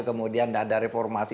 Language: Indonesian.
kemudian ada reformasi